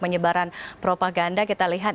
menyebaran propaganda kita lihat